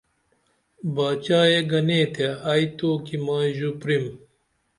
باچائے گنے تے ائی توکی مائی ژو پریم